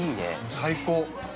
◆最高！